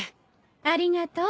ありがとう。